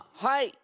はい！